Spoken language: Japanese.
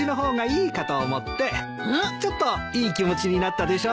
ちょっといい気持ちになったでしょう。